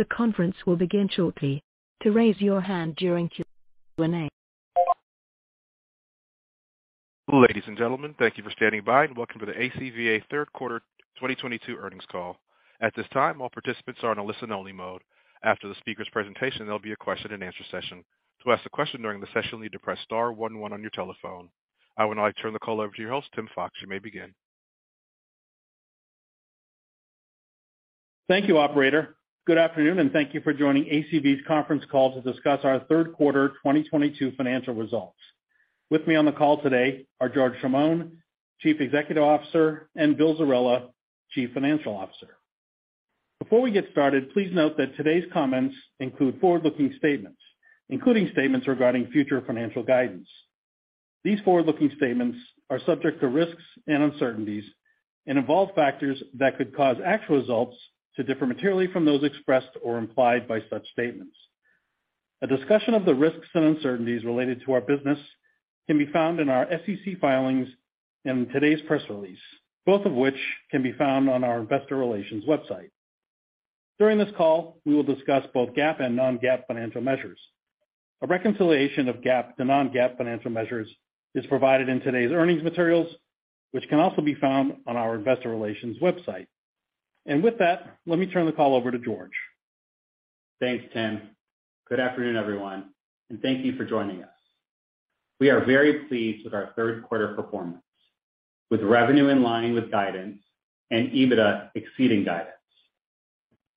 The conference will begin shortly. To raise your hand during Q&A. Ladies and gentlemen, thank you for standing by, and welcome to the ACVA Q3 2022 earnings call. At this time, all participants are in a listen only mode. After the speaker's presentation, there'll be a question and answer session. To ask a question during the session, you'll need to press star one one on your telephone. I would now like to turn the call over to your host, Tim Fox. You may begin. Thank you, operator. Good afternoon, and thank you for joining ACV's conference call to discuss our Q3 2022 financial results. With me on the call today are George Chamoun, Chief Executive Officer, and Bill Zerella, Chief Financial Officer. Before we get started, please note that today's comments include forward-looking statements, including statements regarding future financial guidance. These forward-looking statements are subject to risks and uncertainties and involve factors that could cause actual results to differ materially from those expressed or implied by such statements. A discussion of the risks and uncertainties related to our business can be found in our SEC filings and today's press release, both of which can be found on our investor relations website. During this call, we will discuss both GAAP and non-GAAP financial measures. A reconciliation of GAAP to non-GAAP financial measures is provided in today's earnings materials, which can also be found on our investor relations website. With that, let me turn the call over to George. Thanks, Tim. Good afternoon, everyone, and thank you for joining us. We are very pleased with our Q3 performance, with revenue in line with guidance and EBITDA exceeding guidance.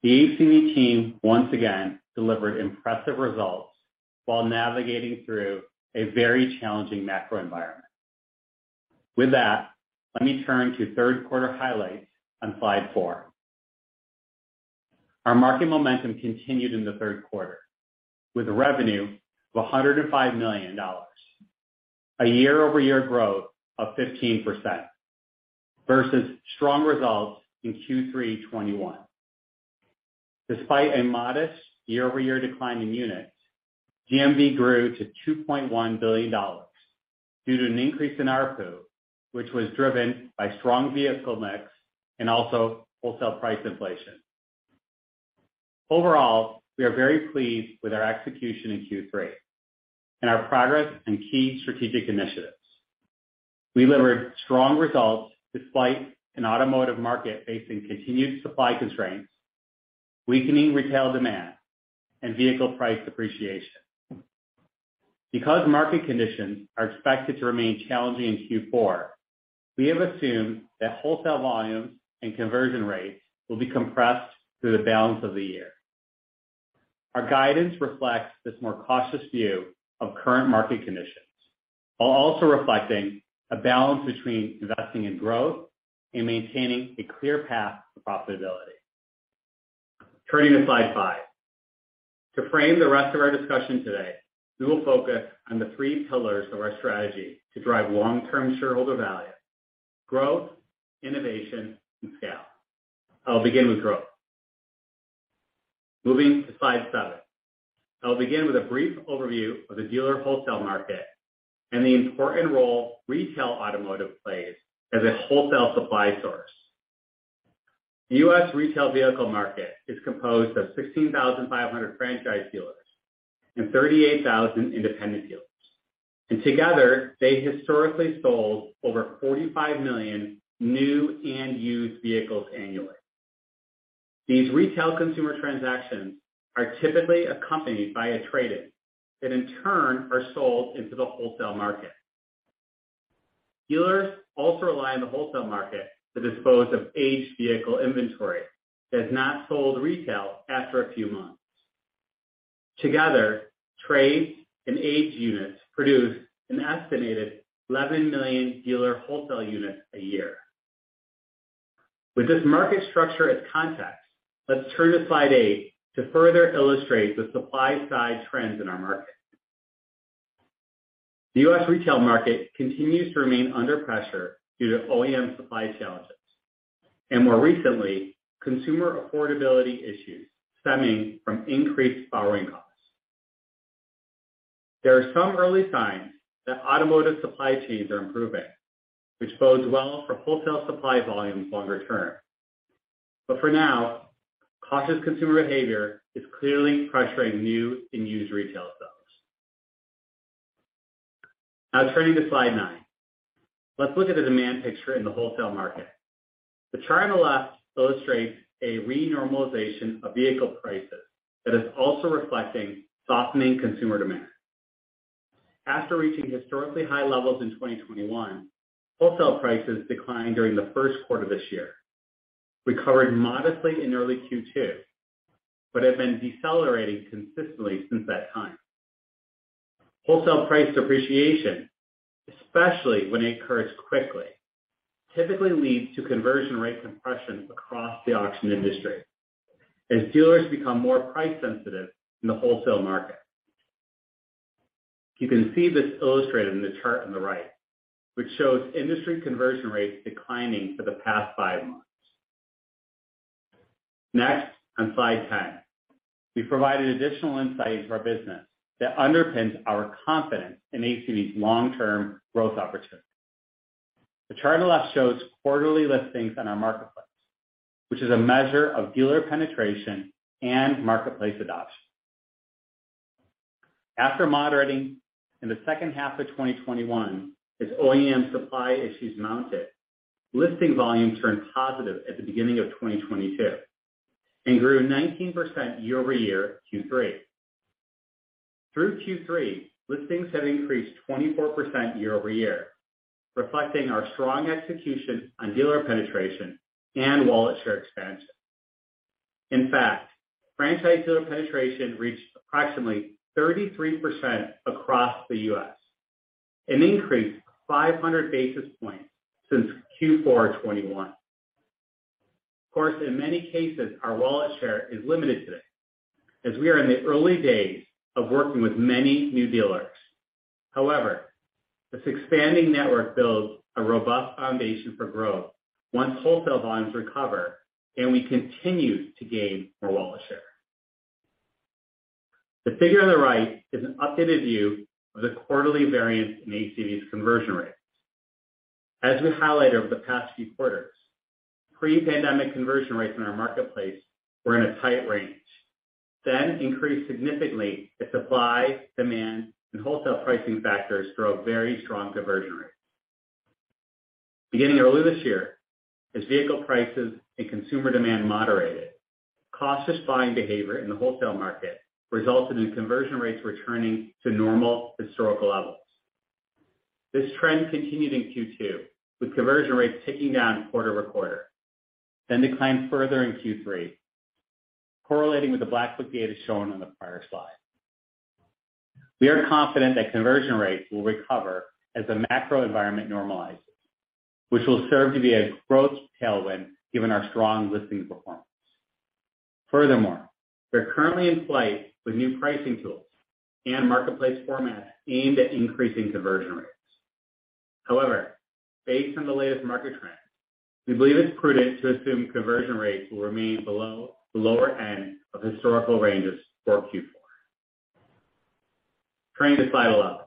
The ACV team once again delivered impressive results while navigating through a very challenging macro environment. With that, let me turn to Q3 highlights on Slide 4. Our market momentum continued in the Q3 with revenue of $105 million, a year-over-year growth of 15% versus strong results in Q3 2021. Despite a modest year-over-year decline in units, GMV grew to $2.1 billion due to an increase in ARPU, which was driven by strong vehicle mix and also wholesale price inflation. Overall, we are very pleased with our execution in Q3 and our progress in key strategic initiatives. We delivered strong results despite an automotive market facing continued supply constraints, weakening retail demand, and vehicle price appreciation. Because market conditions are expected to remain challenging in Q4, we have assumed that wholesale volumes and conversion rates will be compressed through the balance of the year. Our guidance reflects this more cautious view of current market conditions, while also reflecting a balance between investing in growth and maintaining a clear path to profitability. Turning to Slide 5. To frame the rest of our discussion today, we will focus on the three pillars of our strategy to drive long-term shareholder value: growth, innovation, and scale. I'll begin with growth. Moving to Slide 7. I'll begin with a brief overview of the dealer wholesale market and the important role retail automotive plays as a wholesale supply source. The U.S. retail vehicle market is composed of 16,500 franchise dealers and 38,000 independent dealers. Together, they historically sold over 45 million new and used vehicles annually. These retail consumer transactions are typically accompanied by a trade-in that in turn are sold into the wholesale market. Dealers also rely on the wholesale market to dispose of aged vehicle inventory that has not sold retail after a few months. Together, trades and aged units produce an estimated 11 million dealer wholesale units a year. With this market structure as context, let's turn to Slide 8 to further illustrate the supply side trends in our market. The U.S. retail market continues to remain under pressure due to OEM supply challenges and more recently, consumer affordability issues stemming from increased borrowing costs. There are some early signs that automotive supply chains are improving, which bodes well for wholesale supply volumes longer term. For now, cautious consumer behavior is clearly pressuring new and used retail sales. Now turning to Slide 9. Let's look at the demand picture in the wholesale market. The chart on the left illustrates a renormalization of vehicle prices that is also reflecting softening consumer demand. After reaching historically high levels in 2021, wholesale prices declined during the Q1 this year, recovered modestly in early Q2, but have been decelerating consistently since that time. Wholesale price depreciation, especially when it occurs quickly, typically leads to conversion rate compression across the auction industry as dealers become more price sensitive in the wholesale market. You can see this illustrated in the chart on the right, which shows industry conversion rates declining for the past five months. Next, on Slide 10, we provided additional insights of our business that underpins our confidence in ACV's long-term growth opportunities. The chart on the left shows quarterly listings on our marketplace, which is a measure of dealer penetration and marketplace adoption. After moderating in the second half of 2021, as OEM supply issues mounted, listing volumes turned positive at the beginning of 2022 and grew 19% year-over-year Q3. Through Q3, listings have increased 24% year-over-year, reflecting our strong execution on dealer penetration and wallet share expansion. In fact, franchise dealer penetration reached approximately 33% across the U.S., an increase of 500 basis points since Q4 2021. Of course, in many cases, our wallet share is limited today, as we are in the early days of working with many new dealers. However, this expanding network builds a robust foundation for growth once wholesale volumes recover and we continue to gain more wallet share. The figure on the right is an updated view of the quarterly variance in ACV's conversion rates. As we highlighted over the past few quarters, pre-pandemic conversion rates in our marketplace were in a tight range, then increased significantly as supply, demand, and wholesale pricing factors drove very strong conversion rates. Beginning earlier this year, as vehicle prices and consumer demand moderated, cautious buying behavior in the wholesale market resulted in conversion rates returning to normal historical levels. This trend continued in Q2 with conversion rates ticking down quarter over quarter, then declined further in Q3, correlating with the Black Book data shown on the prior slide. We are confident that conversion rates will recover as the macro environment normalizes, which will serve to be a growth tailwind given our strong listings performance. Furthermore, we are currently in flight with new pricing tools and marketplace formats aimed at increasing conversion rates. However, based on the latest market trends, we believe it's prudent to assume conversion rates will remain below the lower end of historical ranges for Q4. Turning to Slide 11.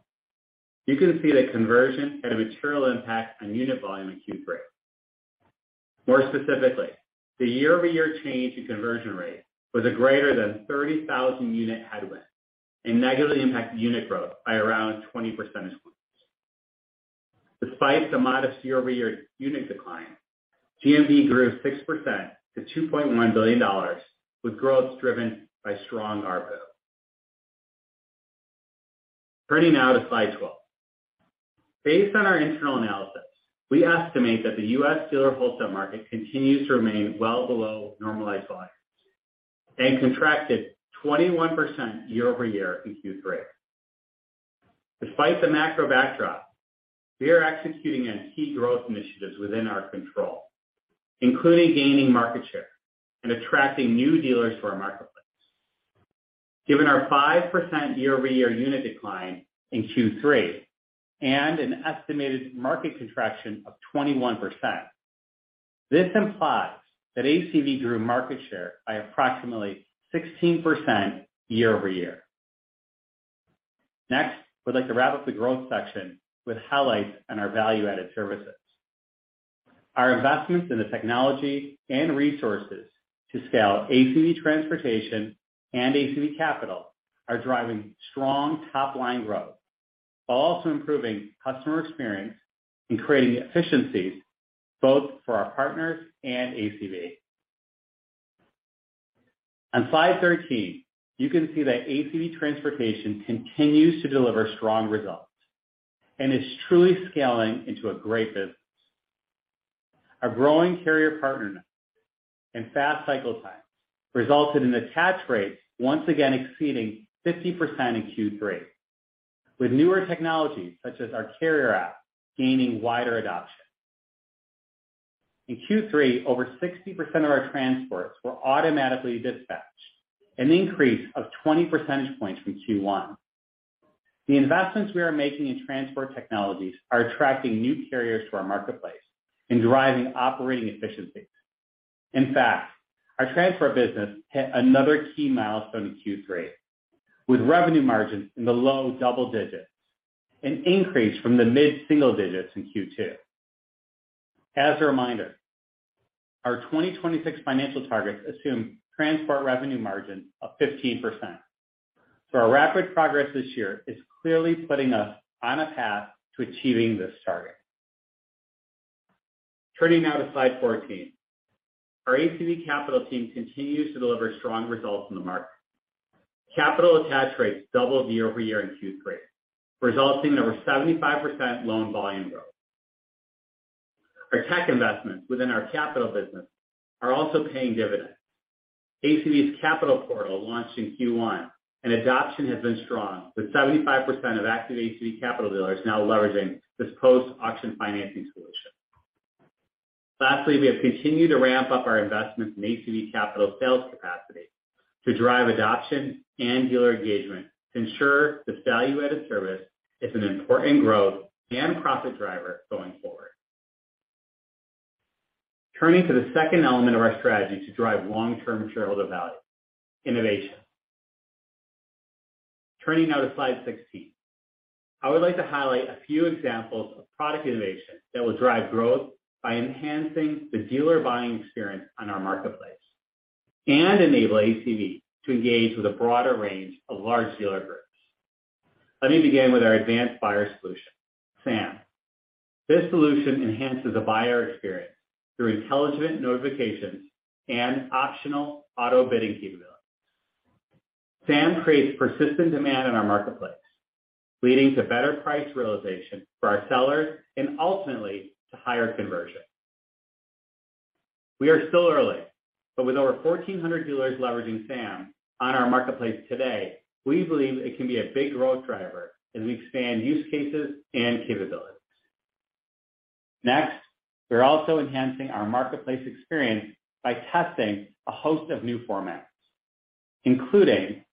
You can see that conversion had a material impact on unit volume in Q3. More specifically, the year-over-year change in conversion rate was a greater than 30,000 unit headwind and negatively impacted unit growth by around 20 percentage points. Despite the modest year-over-year unit decline, GMV grew 6% to $2.1 billion, with growth driven by strong ARPU. Turning now to Slide 12. Based on our internal analysis, we estimate that the U.S. dealer wholesale market continues to remain well below normalized volumes and contracted 21% year-over-year in Q3. Despite the macro backdrop, we are executing on key growth initiatives within our control, including gaining market share and attracting new dealers to our marketplace. Given our 5% year-over-year unit decline in Q3 and an estimated market contraction of 21%, this implies that ACV grew market share by approximately 16% year-over-year. Next, we'd like to wrap up the growth section with highlights on our value-added services. Our investments in the technology and resources to scale ACV Transportation and ACV Capital are driving strong top-line growth while also improving customer experience and creating efficiencies both for our partners and ACV. On Slide 13, you can see that ACV Transportation continues to deliver strong results and is truly scaling into a great business. Our growing carrier partner network and fast cycle times resulted in attach rates once again exceeding 50% in Q3, with newer technologies such as our Carrier app gaining wider adoption. In Q3, over 60% of our transports were automatically dispatched, an increase of 20 percentage points from Q1. The investments we are making in transport technologies are attracting new carriers to our marketplace and driving operating efficiencies. In fact, our transport business hit another key milestone in Q3, with revenue margins in the low double digits, an increase from the mid-single digits in Q2. As a reminder, our 2026 financial targets assume transport revenue margin of 15%. Our rapid progress this year is clearly putting us on a path to achieving this target. Turning now to Slide 14. Our ACV Capital team continues to deliver strong results in the market. Capital attach rates doubled year-over-year in Q3, resulting in over 75% loan volume growth. Our tech investments within our capital business are also paying dividends. ACV Capital Portal launched in Q1 and adoption has been strong with 75% of active ACV Capital dealers now leveraging this post-auction financing solution. Lastly, we have continued to ramp up our investments in ACV Capital sales capacity to drive adoption and dealer engagement to ensure this value-added service is an important growth and profit driver going forward. Turning to the second element of our strategy to drive long-term shareholder value, innovation. Turning now to Slide 16. I would like to highlight a few examples of product innovation that will drive growth by enhancing the dealer buying experience on our marketplace and enable ACV to engage with a broader range of large dealer groups. Let me begin with our advanced buyer solution, SAM. This solution enhances the buyer experience through intelligent notifications and optional auto bidding capabilities. SAM creates persistent demand in our marketplace, leading to better price realization for our sellers and ultimately to higher conversion. We are still early, but with over 1,400 dealers leveraging SAM on our marketplace today, we believe it can be a big growth driver as we expand use cases and capabilities. Next, we're also enhancing our marketplace experience by testing a host of new formats, including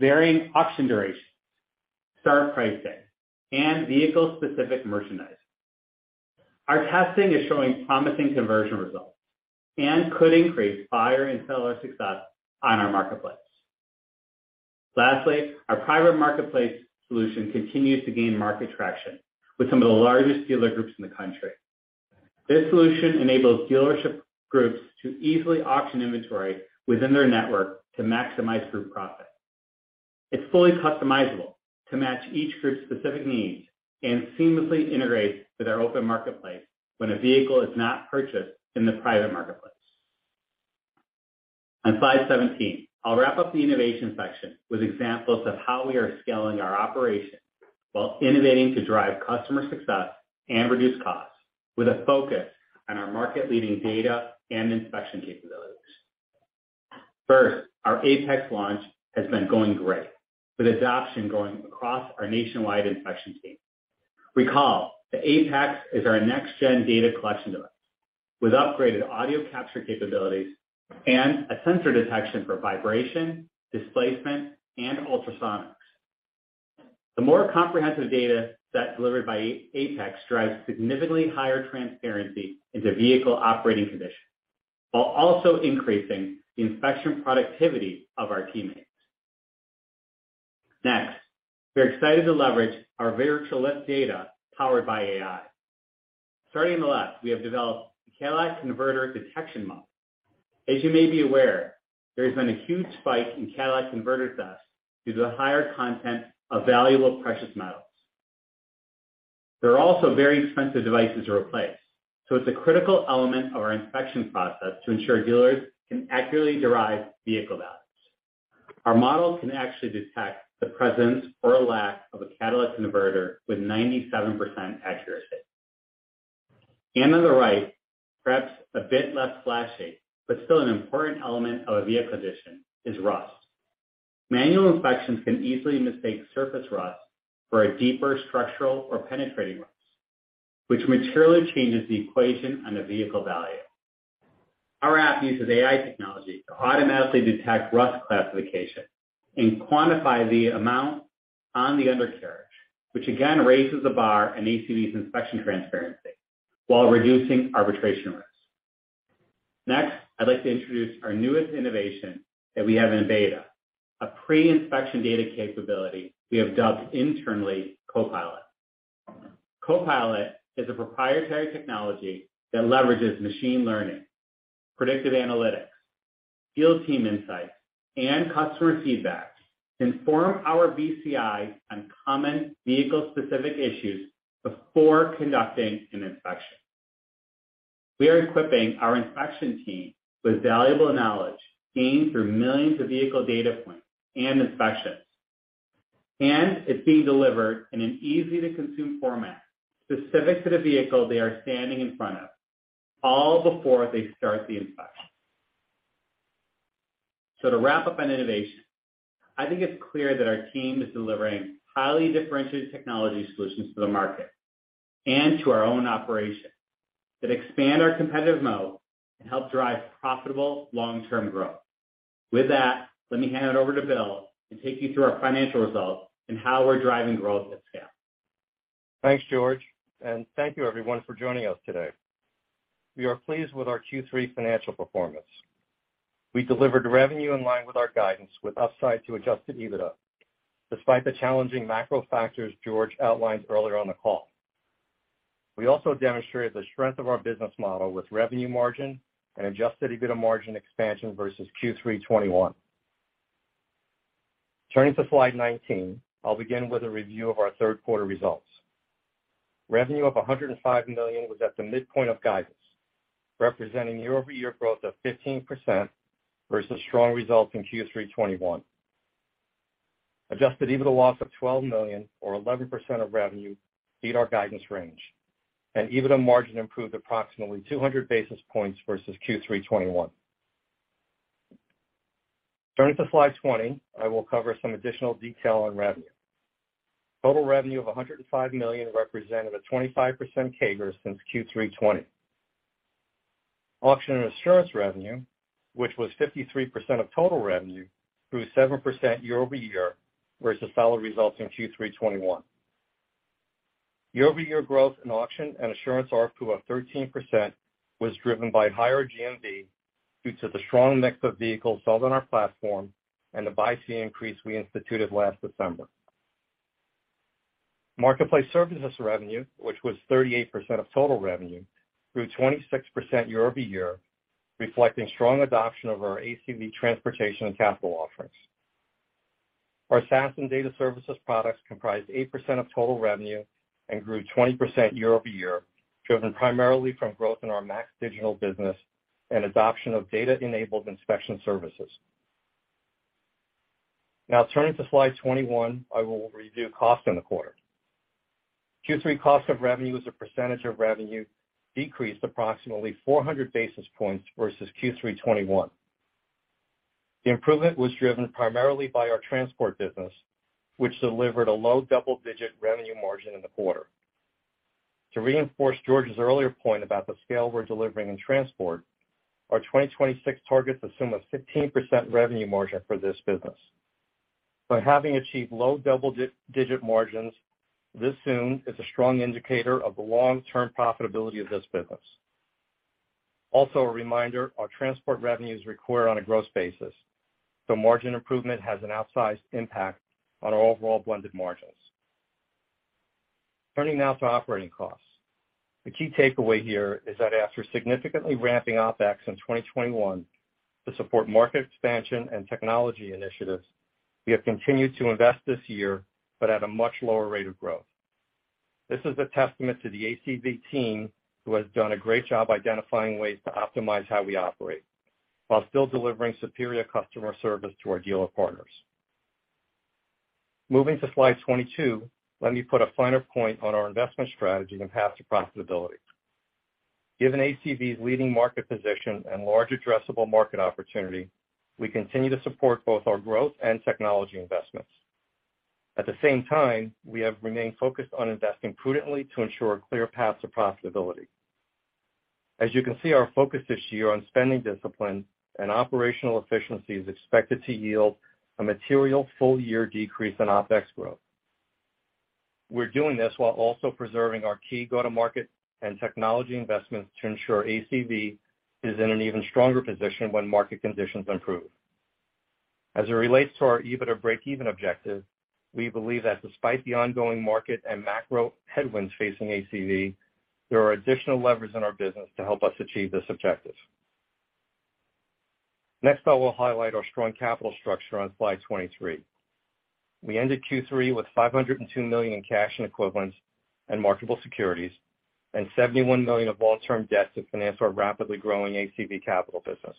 varying auction durations, start pricing, and vehicle-specific merchandising. Our testing is showing promising conversion results and could increase buyer and seller success on our marketplace. Lastly, our Private Marketplaces solution continues to gain market traction with some of the largest dealer groups in the country. This solution enables dealer groups to easily auction inventory within their network to maximize group profits. It's fully customizable to match each group's specific needs and seamlessly integrates with our open marketplace when a vehicle is not purchased in the Private Marketplaces. On Slide 17, I'll wrap up the innovation section with examples of how we are scaling our operations while innovating to drive customer success and reduce costs with a focus on our market-leading data and inspection capabilities. First, our APEX launch has been going great, with adoption going across our nationwide inspection team. Recall that APEX is our next gen data collection device with upgraded audio capture capabilities and a sensor detection for vibration, displacement, and ultrasonics. The more comprehensive data set delivered by APEX drives significantly higher transparency into vehicle operating conditions while also increasing the inspection productivity of our teammates. Next, we're excited to leverage our virtual lift data powered by AI. Starting on the left, we have developed a catalytic converter detection model. As you may be aware, there has been a huge spike in catalytic converter thefts due to the higher content of valuable precious metals. They're also very expensive devices to replace, so it's a critical element of our inspection process to ensure dealers can accurately derive vehicle values. Our model can actually detect the presence or lack of a catalytic converter with 97% accuracy. On the right, perhaps a bit less flashy, but still an important element of a vehicle condition is rust. Manual inspections can easily mistake surface rust for a deeper structural or penetrating rust, which materially changes the equation on the vehicle value. Our app uses AI technology to automatically detect rust classification and quantify the amount on the undercarriage, which again raises the bar in ACV's inspection transparency while reducing arbitration risk. Next, I'd like to introduce our newest innovation that we have in beta, a pre-inspection data capability we have dubbed internally Copilot. Copilot is a proprietary technology that leverages machine learning, predictive analytics, field team insights, and customer feedback to inform our VCI on common vehicle-specific issues before conducting an inspection. We are equipping our inspection team with valuable knowledge gained through millions of vehicle data points and inspections, and it's being delivered in an easy-to-consume format specific to the vehicle they are standing in front of, all before they start the inspection. To wrap up on innovation, I think it's clear that our team is delivering highly differentiated technology solutions to the market and to our own operations that expand our competitive moat and help drive profitable long-term growth. With that, let me hand it over to Bill to take you through our financial results and how we're driving growth at scale. Thanks, George, and thank you everyone for joining us today. We are pleased with our Q3 financial performance. We delivered revenue in line with our guidance with upside to Adjusted EBITDA, despite the challenging macro factors George outlined earlier on the call. We also demonstrated the strength of our business model with revenue margin and Adjusted EBITDA margin expansion versus Q3 2021. Turning to Slide 19, I'll begin with a review of our Q3 results. Revenue of $105 million was at the midpoint of guidance, representing year-over-year growth of 15% versus strong results in Q3 2021. Adjusted EBITDA loss of $12 million or 11% of revenue beat our guidance range, and EBITDA margin improved approximately 200 basis points versus Q3 2021. Turning to Slide 20, I will cover some additional detail on revenue. Total revenue of $105 million represented a 25% CAGR since Q3 2020. Auction and assurance revenue, which was 53% of total revenue, grew 7% year-over-year versus solid results in Q3 2021. Year-over-year growth in auction and assurance ARPU of 13% was driven by higher GMV due to the strong mix of vehicles sold on our platform and the buyer fee increase we instituted last December. Marketplace services revenue, which was 38% of total revenue, grew 26% year-over-year, reflecting strong adoption of our ACV Transportation and ACV Capital offerings. Our SaaS and data services products comprised 8% of total revenue and grew 20% year-over-year, driven primarily from growth in our MAX Digital business and adoption of data-enabled inspection services. Now turning to Slide 21, I will review costs in the quarter. Q3 cost of revenue as a percentage of revenue decreased approximately 400 basis points versus Q3 2021. The improvement was driven primarily by our transport business, which delivered a low double-digit revenue margin in the quarter. To reinforce George's earlier point about the scale we're delivering in transport, our 2026 targets assume a 15% revenue margin for this business. By having achieved low double-digit margins this soon is a strong indicator of the long-term profitability of this business. Also, a reminder, our transport revenue is reported on a gross basis, so margin improvement has an outsized impact on our overall blended margins. Turning now to operating costs. The key takeaway here is that after significantly ramping OpEx in 2021 to support market expansion and technology initiatives, we have continued to invest this year, but at a much lower rate of growth. This is a testament to the ACV team, who has done a great job identifying ways to optimize how we operate while still delivering superior customer service to our dealer partners. Moving to Slide 22, let me put a finer point on our investment strategy and path to profitability. Given ACV's leading market position and large addressable market opportunity, we continue to support both our growth and technology investments. At the same time, we have remained focused on investing prudently to ensure a clear path to profitability. As you can see, our focus this year on spending discipline and operational efficiency is expected to yield a material full-year decrease in OpEx growth. We're doing this while also preserving our key go-to-market and technology investments to ensure ACV is in an even stronger position when market conditions improve. As it relates to our EBITDA breakeven objective, we believe that despite the ongoing market and macro headwinds facing ACV, there are additional levers in our business to help us achieve this objective. Next, I will highlight our strong capital structure on Slide 23. We ended Q3 with $502 million in cash equivalents and marketable securities, and $71 million of long-term debt to finance our rapidly growing ACV Capital business.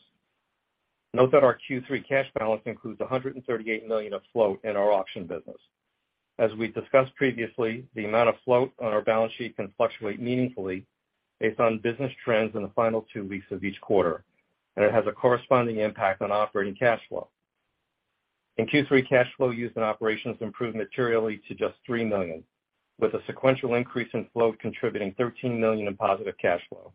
Note that our Q3 cash balance includes $138 million of float in our auction business. As we discussed previously, the amount of float on our balance sheet can fluctuate meaningfully based on business trends in the final two weeks of each quarter, and it has a corresponding impact on operating cash flow. In Q3, cash flow used in operations improved materially to just $3 million, with a sequential increase in flow contributing $13 million in positive cash flow.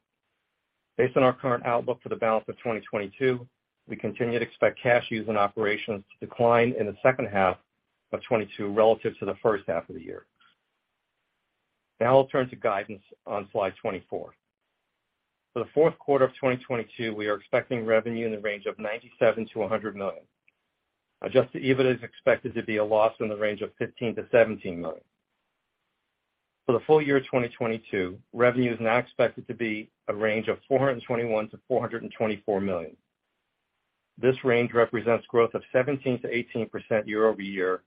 Based on our current outlook for the balance of 2022, we continue to expect cash used in operations to decline in the second half of 2022 relative to the first half of the year. Now I'll turn to guidance on Slide 24. For the Q4 of 2022, we are expecting revenue in the range of $97 million-$100 million. Adjusted EBITDA is expected to be a loss in the range of $15 million-$17 million. For the full year 2022, revenue is now expected to be a range of $421 million-$424 million. This range represents growth of 17%-18% year-over-year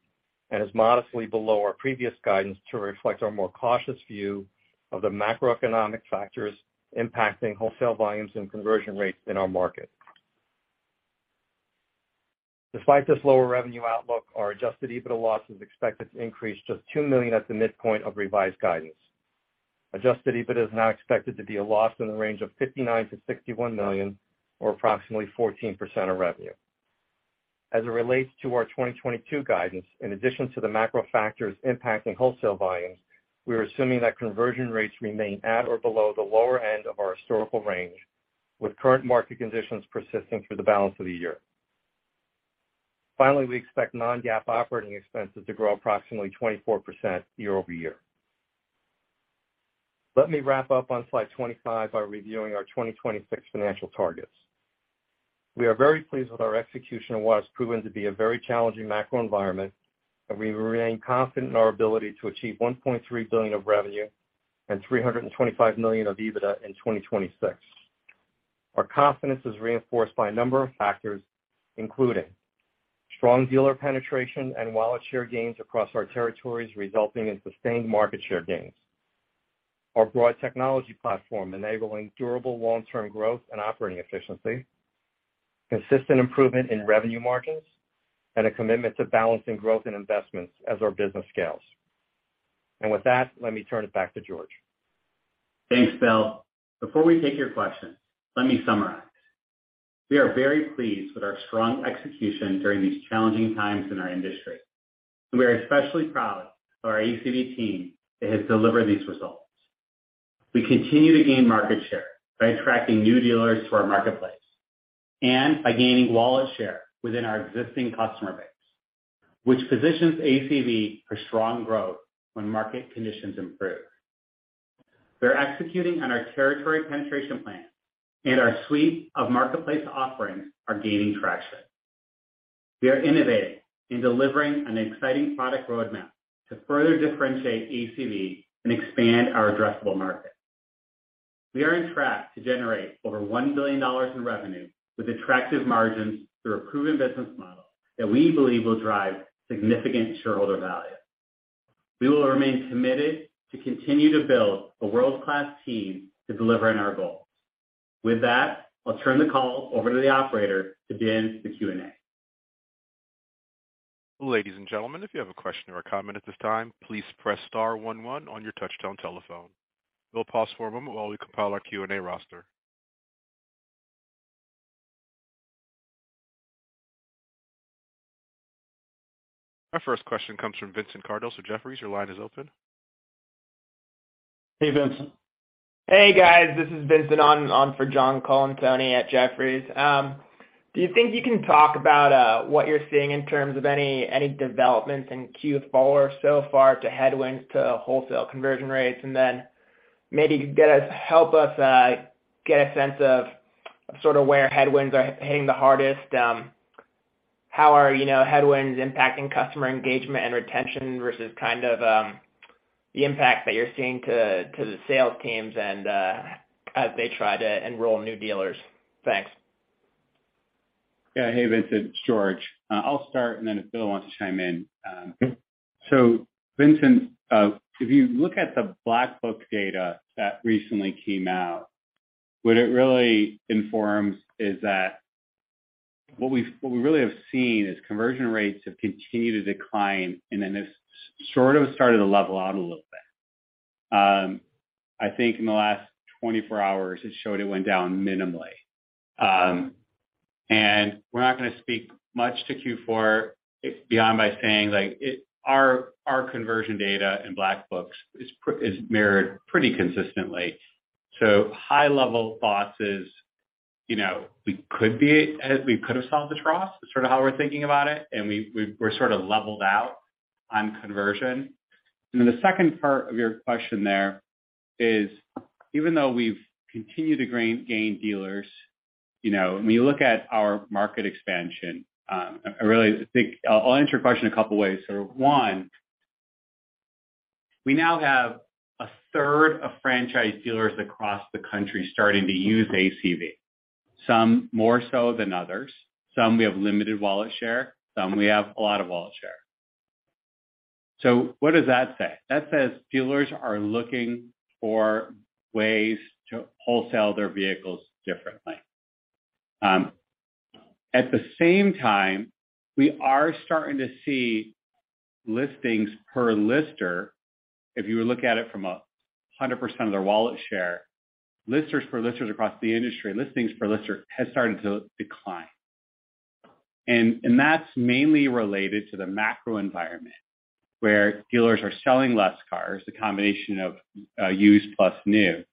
and is modestly below our previous guidance to reflect our more cautious view of the macroeconomic factors impacting wholesale volumes and conversion rates in our market. Despite this lower revenue outlook, our adjusted EBITDA loss is expected to increase just $2 million at the midpoint of revised guidance. Adjusted EBITDA is now expected to be a loss in the range of $59 million-$61 million, or approximately 14% of revenue. As it relates to our 2022 guidance, in addition to the macro factors impacting wholesale volumes, we are assuming that conversion rates remain at or below the lower end of our historical range, with current market conditions persisting through the balance of the year. Finally, we expect non-GAAP operating expenses to grow approximately 24% year-over-year. Let me wrap up on Slide 25 by reviewing our 2026 financial targets. We are very pleased with our execution in what has proven to be a very challenging macro environment, and we remain confident in our ability to achieve $1.3 billion of revenue and $325 million of EBITDA in 2026. Our confidence is reinforced by a number of factors, including strong dealer penetration and wallet share gains across our territories, resulting in sustained market share gains. Our broad technology platform enabling durable long-term growth and operating efficiency, consistent improvement in revenue margins, and a commitment to balancing growth and investments as our business scales. With that, let me turn it back to George. Thanks, Bill. Before we take your questions, let me summarize. We are very pleased with our strong execution during these challenging times in our industry, and we are especially proud of our ACV team that has delivered these results. We continue to gain market share by attracting new dealers to our marketplace and by gaining wallet share within our existing customer base, which positions ACV for strong growth when market conditions improve. We're executing on our territory penetration plan, and our suite of marketplace offerings are gaining traction. We are innovating in delivering an exciting product roadmap to further differentiate ACV and expand our addressable market. We are on track to generate over $1 billion in revenue with attractive margins through a proven business model that we believe will drive significant shareholder value. We will remain committed to continue to build a world-class team to deliver on our goals. With that, I'll turn the call over to the operator to begin the Q&A. Ladies and gentlemen, if you have a question or a comment at this time, please press star one one on your touchtone telephone. We'll pause for a moment while we compile our Q&A roster. Our first question comes from Vincent Kardos with Jefferies. Your line is open. Hey, Vincent. Hey, guys. This is Vincent on for John Colantuoni at Jefferies. Do you think you can talk about what you're seeing in terms of any developments in Q4 so far to headwinds to wholesale conversion rates? Then maybe help us get a sense of sort of where headwinds are hitting the hardest. How are, you know, headwinds impacting customer engagement and retention versus kind of the impact that you're seeing to the sales teams and as they try to enroll new dealers? Thanks. Yeah. Hey, Vincent, it's George. I'll start and then if Bill wants to chime in. So Vincent, if you look at the Black Book data that recently came out, what it really informs is that what we really have seen is conversion rates have continued to decline and then it's sort of started to level out a little bit. I think in the last 24 hours, it showed it went down minimally. We're not gonna speak much to Q4 beyond by saying, like, our conversion data in Black Book is mirrored pretty consistently. High-level thoughts is, you know, we could have solved the trough, is sort of how we're thinking about it, and we're sort of leveled out on conversion. Then the second part of your question there is, even though we've continued to gain dealers, you know, when you look at our market expansion, I really think I'll answer your question a couple ways. One, we now have 1/3 of franchise dealers across the country starting to use ACV, some more so than others. Some we have limited wallet share, some we have a lot of wallet share. What does that say? That says dealers are looking for ways to wholesale their vehicles differently. At the same time, we are starting to see listings per lister. If you look at it from 100% of their wallet share, listings per lister across the industry, listings per lister has started to decline. That's mainly related to the macro environment, where dealers are selling less cars, the combination of used plus new.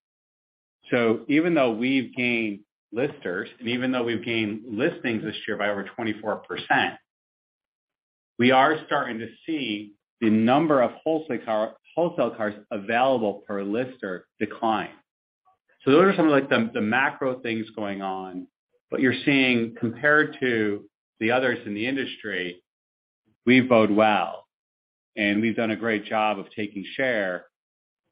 Even though we've gained listers and even though we've gained listings this year by over 24%, we are starting to see the number of wholesale cars available per lister decline. Those are some of, like, the macro things going on, but you're seeing compared to the others in the industry, we bode well, and we've done a great job of taking share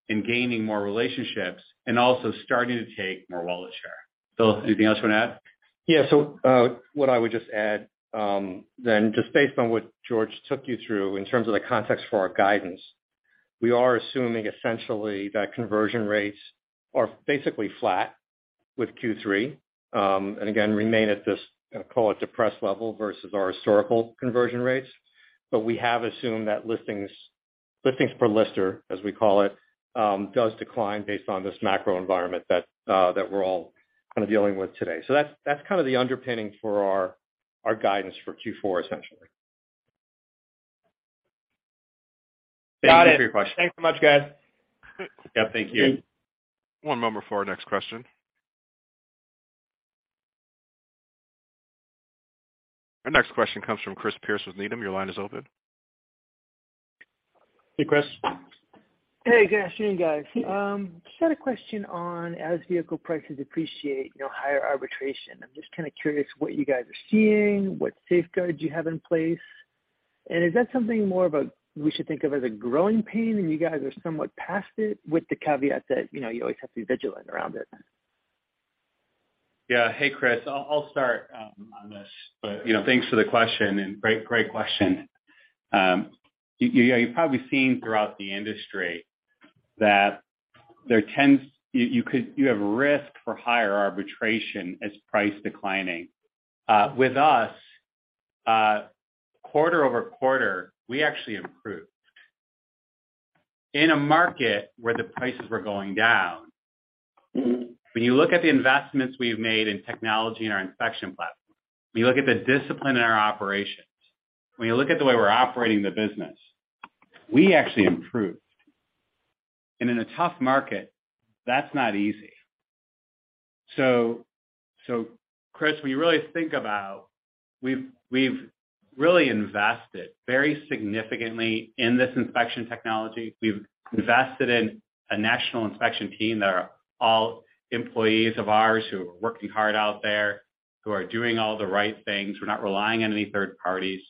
and gaining more relationships and also starting to take more wallet share. Bill, anything else you wanna add? Yeah. What I would just add, then just based on what George took you through in terms of the context for our guidance, we are assuming essentially that conversion rates are basically flat with Q3, and again, remain at this, call it, depressed level versus our historical conversion rates. We have assumed that listings per lister, as we call it, does decline based on this macro environment that we're all kind of dealing with today. That's kind of the underpinning for our guidance for Q4, essentially. Got it. Thank you for your question. Thanks so much, guys. Yeah, thank you. One moment for our next question. Our next question comes from Chris Pierce with Needham. Your line is open. Hey, Chris. Hey, guys. Good evening, guys. Just had a question on, as vehicle prices appreciate, you know, higher arbitrage. I'm just kinda curious what you guys are seeing, what safeguards you have in place, and is that something more of a we should think of as a growing pain and you guys are somewhat past it with the caveat that, you know, you always have to be vigilant around it? Yeah. Hey, Chris. I'll start on this. You know, thanks for the question, and great question. You've probably seen throughout the industry that you have risk for higher arbitration as prices declining. With us, quarter-over-quarter, we actually improved in a market where the prices were going down. When you look at the investments we've made in technology and our inspection platform, when you look at the discipline in our operations. When you look at the way we're operating the business, we actually improved. In a tough market, that's not easy. Chris, when you really think about, we've really invested very significantly in this inspection technology. We've invested in a national inspection team that are all employees of ours who are working hard out there, who are doing all the right things. We're not relying on any third parties.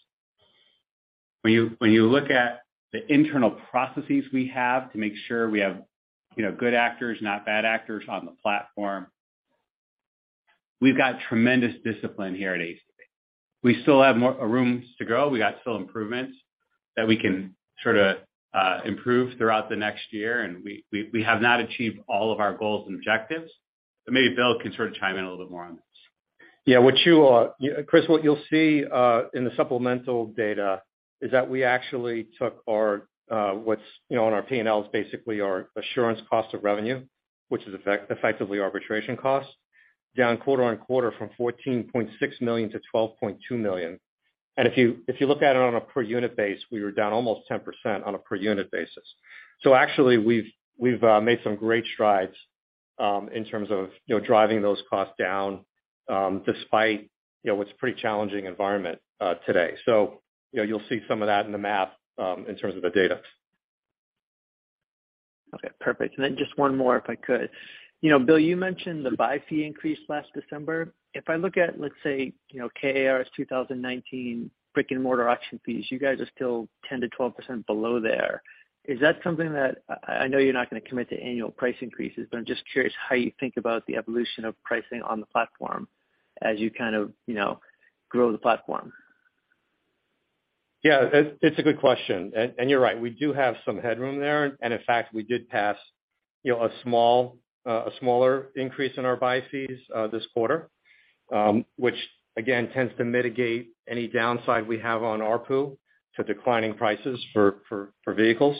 When you look at the internal processes we have to make sure we have, you know, good actors, not bad actors on the platform. We've got tremendous discipline here at ACV. We still have more room to grow. We got still improvements that we can sort of improve throughout the next year. We have not achieved all of our goals and objectives, but maybe Bill can sort of chime in a little bit more on this. Yeah. What you, Chris, what you'll see in the supplemental data is that we actually took our, what is, you know, on our P&L is basically our auction cost of revenue, which is effectively auction costs, down quarter-over-quarter from $14.6 million to $12.2 million. If you look at it on a per unit basis, we were down almost 10% on a per unit basis. Actually, we've made some great strides in terms of, you know, driving those costs down, despite, you know, what's a pretty challenging environment today. You know, you'll see some of that in the map in terms of the data. Okay. Perfect. Then just one more, if I could. You know, Bill, you mentioned the buy fee increase last December. If I look at, let's say, you know, KAR 2019 brick-and-mortar auction fees, you guys are still 10%-12% below there. Is that something that I know you're not gonna commit to annual price increases, but I'm just curious how you think about the evolution of pricing on the platform as you kind of, you know, grow the platform. Yeah, it's a good question. You're right, we do have some headroom there. In fact, we did pass you know a smaller increase in our buy fees this quarter, which again tends to mitigate any downside we have on ARPU to declining prices for vehicles.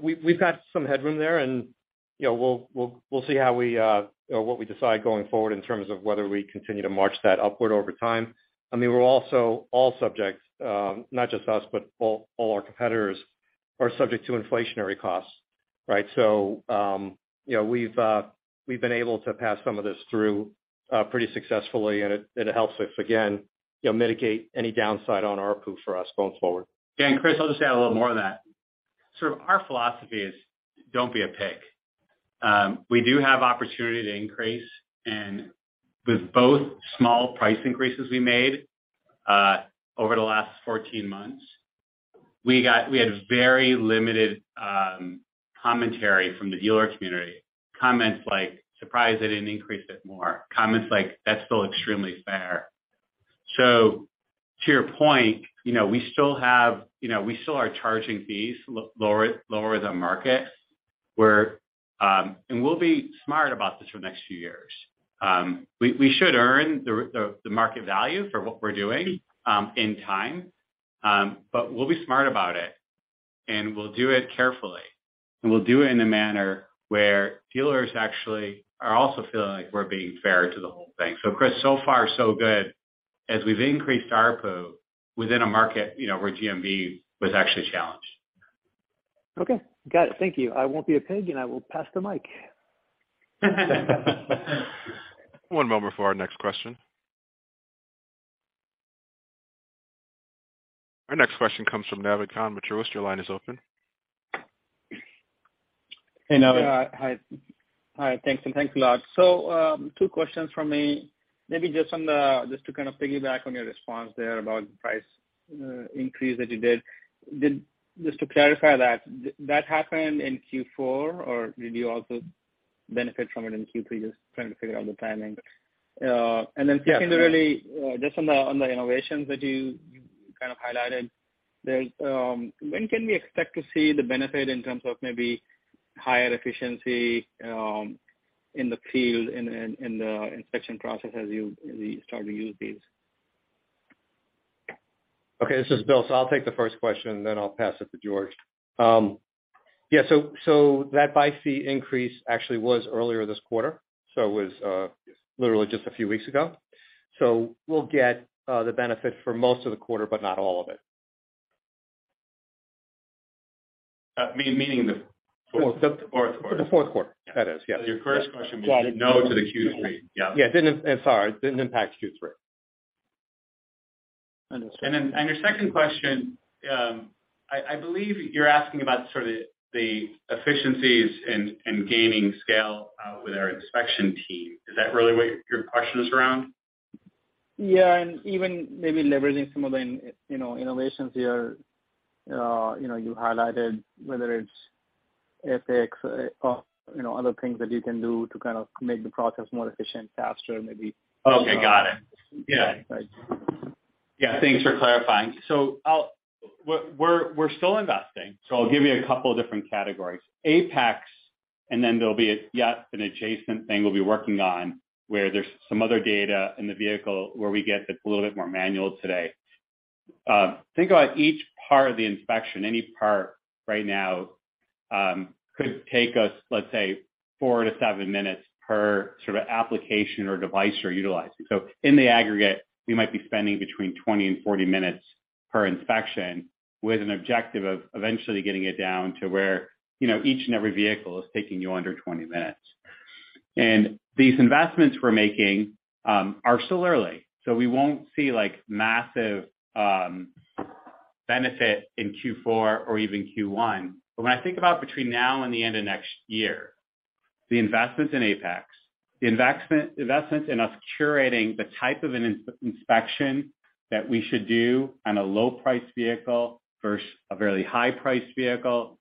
We've got some headroom there, and you know we'll see how we or what we decide going forward in terms of whether we continue to march that upward over time. I mean, we're also all subjects, not just us, but all our competitors are subject to inflationary costs, right? You know, we've been able to pass some of this through pretty successfully, and it helps us again you know mitigate any downside on ARPU for us going forward. Chris, I'll just add a little more on that. Our philosophy is, don't be a pig. We do have opportunity to increase. With both small price increases we made, over the last 14 months, we got. We had very limited, commentary from the dealer community. Comments like, "Surprised they didn't increase it more." Comments like, "That's still extremely fair." To your point, you know, we still have, you know, we still are charging fees lower than market. We're, and we'll be smart about this for the next few years. We should earn the market value for what we're doing, in time. But we'll be smart about it, and we'll do it carefully, and we'll do it in a manner where dealers actually are also feeling like we're being fair to the whole thing. Chris, so far, so good as we've increased ARPU within a market, you know, where GMV was actually challenged. Okay. Got it. Thank you. I won't be a pig, and I will pass the mic. One moment for our next question. Our next question comes from Naved Khan with Truist. Your line is open. Hey, Naved. Hi. Thanks a lot. Two questions from me. Maybe just to kind of piggyback on your response there about the price increase that you did. Just to clarify that, did that happen in Q4, or did you also benefit from it in Q3? Just trying to figure out the timing. Then- Yeah. Secondly, just on the innovations that you kind of highlighted there, when can we expect to see the benefit in terms of maybe higher efficiency in the field, in the inspection process as you really start to use these? Okay, this is Bill. I'll take the first question, and then I'll pass it to George. Yeah, that buy fee increase actually was earlier this quarter, so it was literally just a few weeks ago. We'll get the benefit for most of the quarter, but not all of it. Meaning the Q4. The Q4. That is, yes. Your first question was. Yeah. No to the Q3. Yeah. Yeah. Didn't impact Q3. Understood. your second question, I believe you're asking about sort of the efficiencies and gaining scale with our inspection team. Is that really what your question is around? Yeah. Even maybe leveraging some of the in, you know, innovations you're, you know, you highlighted, whether it's APEX or, you know, other things that you can do to kind of make the process more efficient, faster maybe. Okay. Got it. Yeah. Right. Yeah. Thanks for clarifying. We're still investing. I'll give you a couple different categories. APEX, and then there'll be an adjacent thing we'll be working on where there's some other data in the vehicle where we get that's a little bit more manual today. Think about each part of the inspection. Any part right now. Could take us, let's say, 4-7 minutes per sort of application or device you're utilizing. So in the aggregate, we might be spending between 20 and 40 minutes per inspection with an objective of eventually getting it down to where, you know, each and every vehicle is taking you under 20 minutes. These investments we're making are still early, so we won't see like massive benefit in Q4 or even Q1. But when I think about between now and the end of next year, the investments in APEX, the investments in us curating the type of an inspection that we should do on a low price vehicle versus a very high priced vehicle.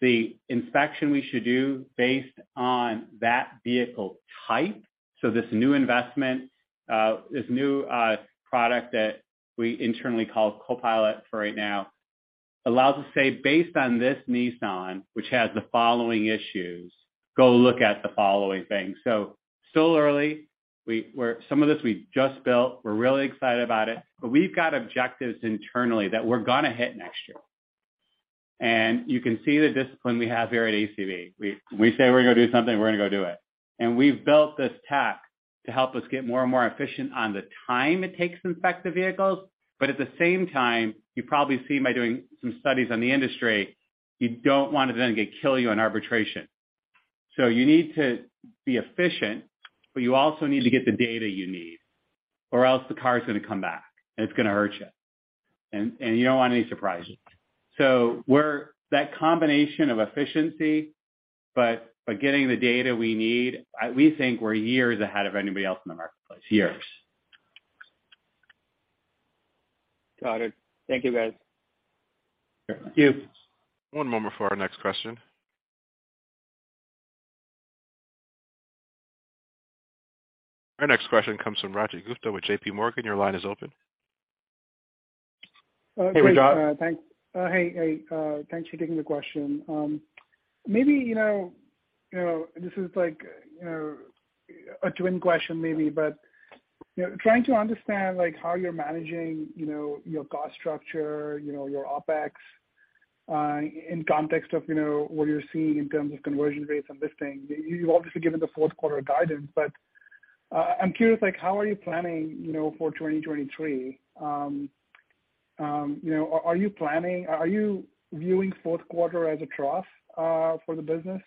The inspection we should do based on that vehicle type. This new product that we internally call Copilot for right now allows us to say, "Based on this Nissan, which has the following issues, go look at the following things." Still early. Some of this we've just built. We're really excited about it. We've got objectives internally that we're gonna hit next year. You can see the discipline we have here at ACV. We say we're gonna go do something, we're gonna go do it. We've built this tech to help us get more and more efficient on the time it takes to inspect the vehicles. At the same time, you probably see by doing some studies on the industry, you don't want it then to kill you in arbitration. You need to be efficient, but you also need to get the data you need, or else the car is gonna come back and it's gonna hurt you. You don't want any surprises. We're that combination of efficiency, but getting the data we need. We think we're years ahead of anybody else in the marketplace. Years. Got it. Thank you, guys. Sure. Thank you. One moment for our next question. Our next question comes from Rajat Gupta with JPMorgan. Your line is open. Hey, Raj. Great. Thanks. Hey, thanks for taking the question. Maybe, you know, this is like, you know, a twin question maybe, but, you know, trying to understand, like, how you're managing, you know, your cost structure, you know, your OpEx, in context of, you know, what you're seeing in terms of conversion rates and this thing. You've obviously given the Q4 guidance, but, I'm curious, like, how are you planning, you know, for 2023? You know, are you viewing Q4 as a trough, for the business?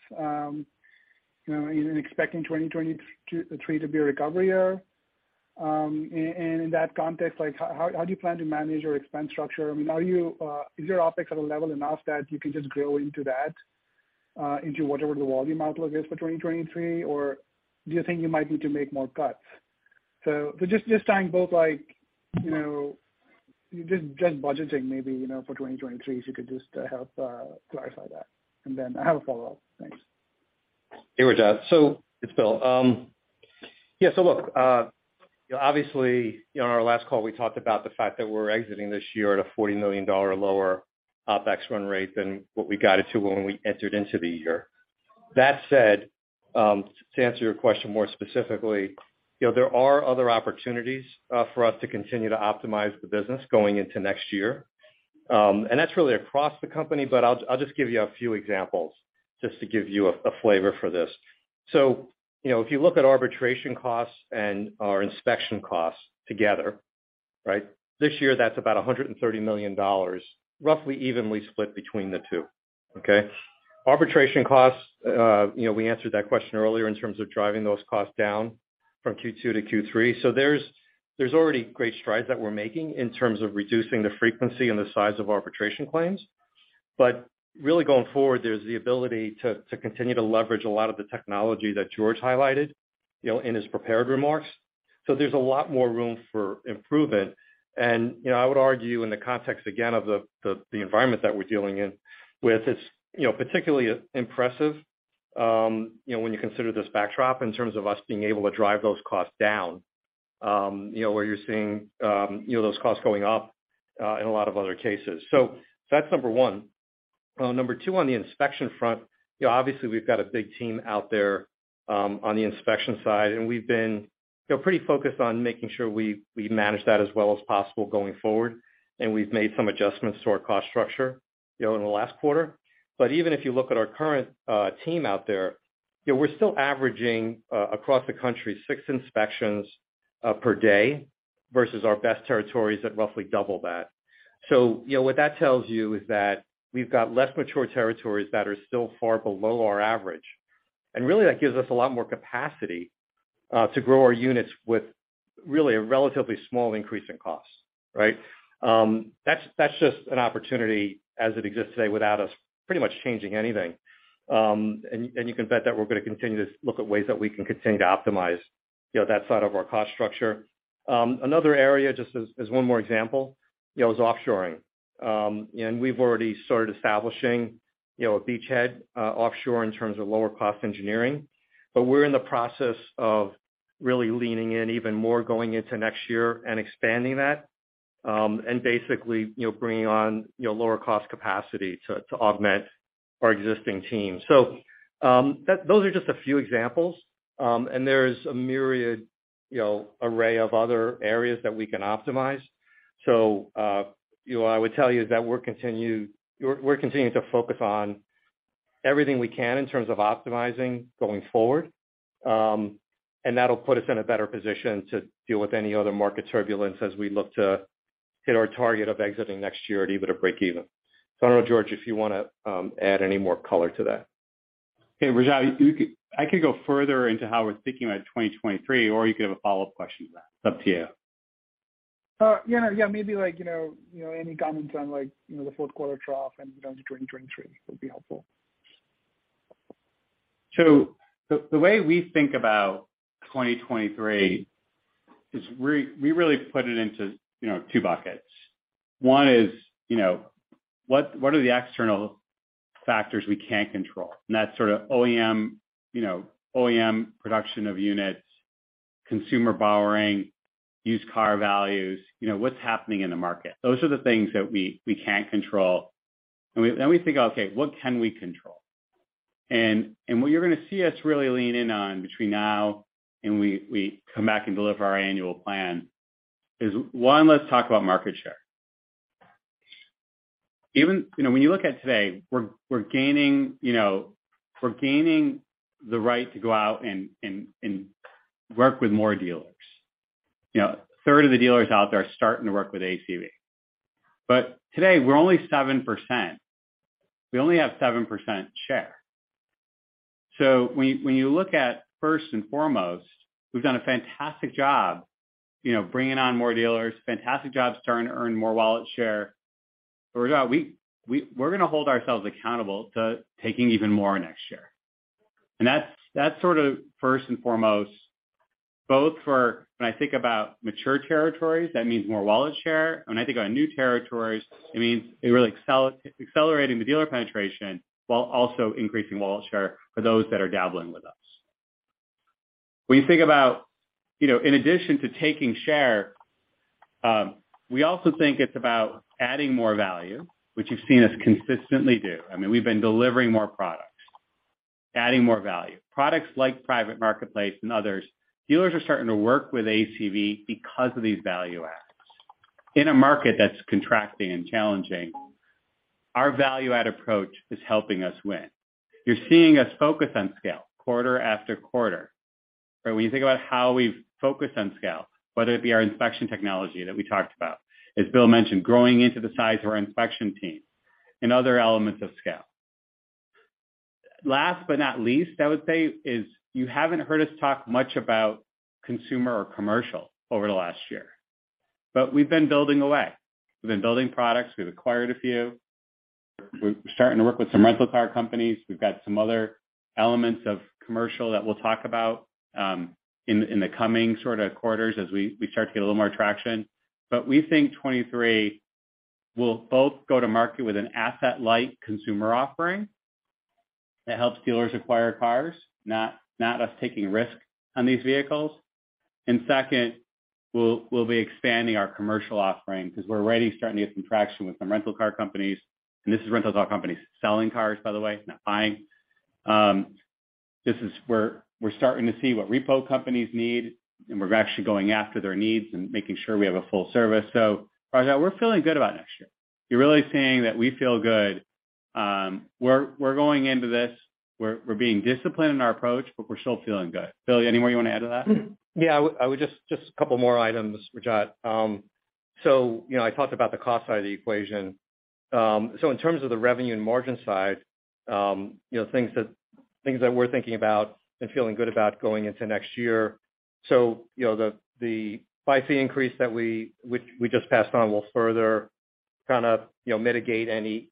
You know, are you expecting 2023 to be a recovery year? And in that context, like how do you plan to manage your expense structure? I mean, are you, is your OpEx at a level enough that you can just grow into that, into whatever the volume outlook is for 2023? Or do you think you might need to make more cuts? Just trying both, like, you know. Just budgeting maybe, you know, for 2023, if you could just help clarify that. Then I have a follow-up. Thanks. Hey, Raj. It's Bill. You know, obviously, you know, on our last call, we talked about the fact that we're exiting this year at a $40 million lower OpEx run rate than what we got into when we entered into the year. That said, to answer your question more specifically, you know, there are other opportunities for us to continue to optimize the business going into next year. That's really across the company, but I'll just give you a few examples just to give you a flavor for this. You know, if you look at arbitration costs and our inspection costs together, right? This year, that's about $130 million, roughly evenly split between the two. Okay? Arbitration costs, you know, we answered that question earlier in terms of driving those costs down from Q2 to Q3. There's already great strides that we're making in terms of reducing the frequency and the size of arbitration claims. Really going forward, there's the ability to continue to leverage a lot of the technology that George highlighted, you know, in his prepared remarks. There's a lot more room for improvement. You know, I would argue in the context, again, of the environment that we're dealing in with, it's you know, particularly impressive, you know, when you consider this backdrop in terms of us being able to drive those costs down, you know, where you're seeing those costs going up in a lot of other cases. That's number one. Number two, on the inspection front, you know, obviously, we've got a big team out there on the inspection side, and we've been, you know, pretty focused on making sure we manage that as well as possible going forward, and we've made some adjustments to our cost structure, you know, in the last quarter. Even if you look at our current team out there, you know, we're still averaging across the country 6 inspections per day versus our best territories at roughly double that. You know, what that tells you is that we've got less mature territories that are still far below our average. Really, that gives us a lot more capacity to grow our units with really a relatively small increase in costs, right? That's just an opportunity as it exists today without us pretty much changing anything. You can bet that we're gonna continue to look at ways that we can continue to optimize, you know, that side of our cost structure. Another area, just as one more example, you know, is offshoring. We've already started establishing, you know, a beachhead offshore in terms of lower cost engineering. We're in the process of really leaning in even more going into next year and expanding that, and basically, you know, bringing on, you know, lower cost capacity to augment our existing team. Those are just a few examples, and there's a myriad, you know, array of other areas that we can optimize. You know, what I would tell you is that we're continuing to focus on everything we can in terms of optimizing going forward. That'll put us in a better position to deal with any other market turbulence as we look to hit our target of exiting next year at EBITDA breakeven. I don't know, George, if you wanna add any more color to that. Hey, Rajat, I can go further into how we're thinking about 2023, or you can have a follow-up question to that. It's up to you. Yeah. Maybe like, you know, any comments on like, you know, the Q4 trough and going into 2023 would be helpful. The way we think about 2023 is we really put it into, you know, 2 buckets. One is, you know, what are the external factors we can't control? That's sort of OEM, you know, OEM production of units, consumer borrowing, used car values, you know, what's happening in the market. Those are the things that we can't control. We then think, okay, what can we control? What you're gonna see us really lean in on between now and we come back and deliver our annual plan is, one, let's talk about market share. You know, when you look at today, we're gaining, you know, the right to go out and work with more dealers. You know, a third of the dealers out there are starting to work with ACV. Today, we're only 7%. We only have 7% share. When you look at, first and foremost, we've done a fantastic job, you know, bringing on more dealers, fantastic job starting to earn more wallet share. We're gonna hold ourselves accountable to taking even more next year. That's sort of first and foremost, both for when I think about mature territories, that means more wallet share. When I think about new territories, it means really accelerating the dealer penetration while also increasing wallet share for those that are dabbling with us. When you think about, you know, in addition to taking share, we also think it's about adding more value, which you've seen us consistently do. I mean, we've been delivering more products, adding more value. Products like Private Marketplaces and others. Dealers are starting to work with ACV because of these value adds. In a market that's contracting and challenging, our value add approach is helping us win. You're seeing us focus on scale quarter after quarter. Right? When you think about how we've focused on scale, whether it be our inspection technology that we talked about, as Bill mentioned, growing into the size of our inspection team and other elements of scale. Last but not least, I would say is you haven't heard us talk much about consumer or commercial over the last year, but we've been building away. We've been building products, we've acquired a few. We're starting to work with some rental car companies. We've got some other elements of commercial that we'll talk about in the coming sort of quarters as we start to get a little more traction. We think 2023 will both go to market with an asset-light consumer offering that helps dealers acquire cars, not us taking risk on these vehicles. Second, we'll be expanding our commercial offering because we're already starting to get some traction with some rental car companies. This is rental car companies selling cars, by the way, not buying. This is where we're starting to see what repo companies need, and we're actually going after their needs and making sure we have a full service. Rajat, we're feeling good about next year. You're really seeing that we feel good. We're going into this, we're being disciplined in our approach, but we're still feeling good. Bill, anything more you wanna add to that? Yeah. I would just a couple more items, Rajat. You know, I talked about the cost side of the equation. In terms of the revenue and margin side, you know, things that we're thinking about and feeling good about going into next year. You know, the buy fee increase that we just passed on will further kinda mitigate any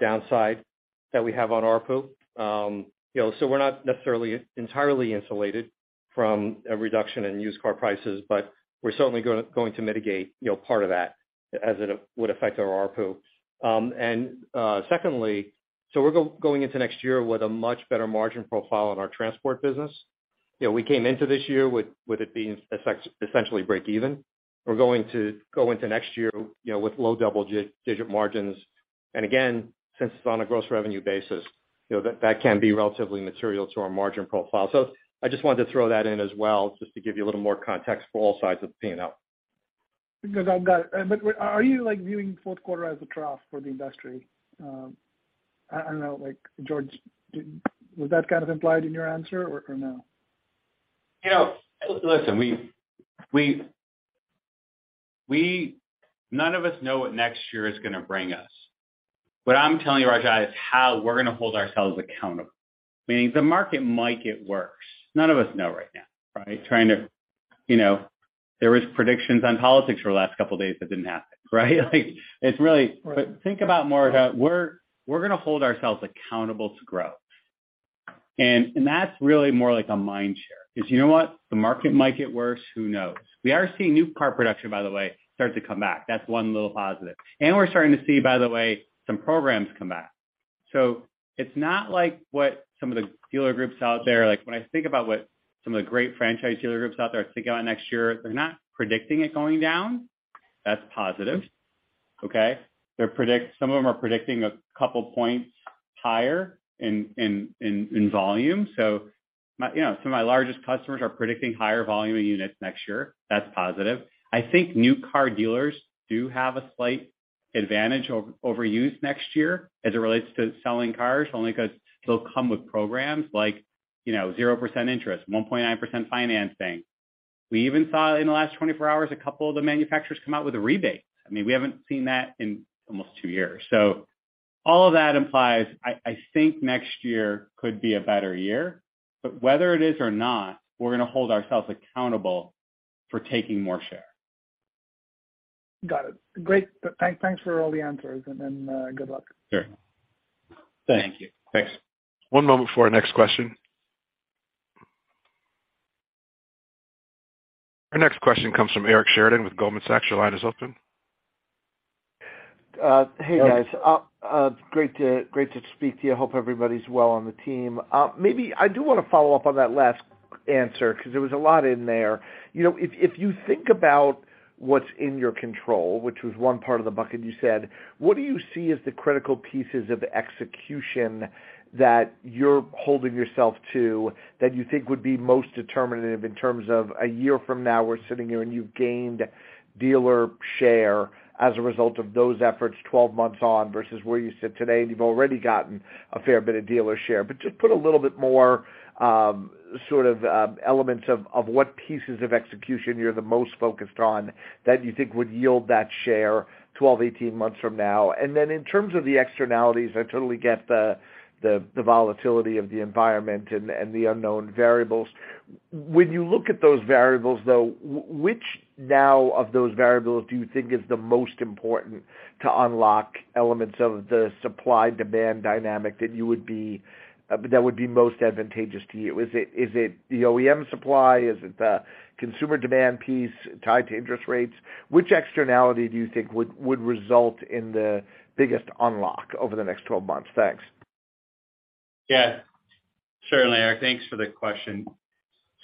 downside that we have on ARPU. You know, we're not necessarily entirely insulated from a reduction in used car prices, but we're certainly going to mitigate part of that as it would affect our ARPU. Secondly, we're going into next year with a much better margin profile in our transport business. You know, we came into this year with it being essentially breakeven. We're going to go into next year, you know, with low double-digit margins. Again, since it's on a gross revenue basis, you know, that can be relatively material to our margin profile. I just wanted to throw that in as well, just to give you a little more context for all sides of the P&L. Are you like viewing Q4 as a trough for the industry? I know like George did. Was that kind of implied in your answer or no? You know, listen. None of us know what next year is gonna bring us. What I'm telling you, Rajat, is how we're gonna hold ourselves accountable. Meaning, the market might get worse. None of us know right now, right? You know, there was predictions on politics for the last couple days that didn't happen, right? Like it's really. Right. Think about more how we're gonna hold ourselves accountable to growth. That's really more like a mind share. 'Cause you know what? The market might get worse, who knows? We are seeing new car production, by the way, start to come back. That's one little positive. We're starting to see, by the way, some programs come back. It's not like what some of the dealer groups out there. Like, when I think about what some of the great franchise dealer groups out there are thinking about next year, they're not predicting it going down. That's positive. Okay. Some of them are predicting a couple points higher in volume. You know, some of my largest customers are predicting higher volume of units next year. That's positive. I think new car dealers do have a slight advantage over used next year as it relates to selling cars only 'cause they'll come with programs like, you know, 0% interest, 1.9% financing. We even saw in the last 24 hours a couple of the manufacturers come out with a rebate. I mean, we haven't seen that in almost two years. All of that implies, I think next year could be a better year, but whether it is or not, we're gonna hold ourselves accountable for taking more share. Got it. Great. Thanks for all the answers, and then, good luck. Sure. Thank you. Thanks. One moment before our next question. Our next question comes from Eric Sheridan with Goldman Sachs. Your line is open. Hey, guys. Great to speak to you. Hope everybody's well on the team. Maybe I do wanna follow up on that last answer 'cause there was a lot in there. You know, if you think about what's in your control, which was one part of the bucket you said, what do you see as the critical pieces of execution that you're holding yourself to that you think would be most determinative in terms of a year from now, we're sitting here, and you've gained dealer share as a result of those efforts 12 months on versus where you sit today, and you've already gotten a fair bit of dealer share. Just put a little bit more sort of elements of what pieces of execution you're the most focused on that you think would yield that share 12, 18 months from now. Then in terms of the externalities, I totally get the volatility of the environment and the unknown variables. When you look at those variables, though, which one of those variables do you think is the most important to unlock elements of the supply-demand dynamic that would be most advantageous to you? Is it the OEM supply? Is it the consumer demand piece tied to interest rates? Which externality do you think would result in the biggest unlock over the next 12 months? Thanks. Yeah. Certainly, Eric. Thanks for the question.